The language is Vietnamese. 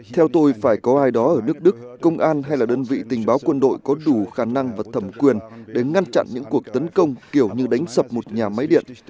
theo tôi phải có ai đó ở nước đức công an hay là đơn vị tình báo quân đội có đủ khả năng và thẩm quyền để ngăn chặn những cuộc tấn công kiểu như đánh sập một nhà máy điện